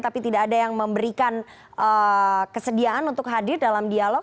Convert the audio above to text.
tapi tidak ada yang memberikan kesediaan untuk hadir dalam dialog